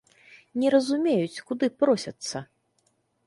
Не разумеюць, куды просяцца.